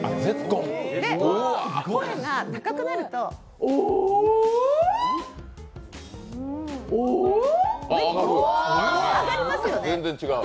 声が高くなるとね、上がりますよね？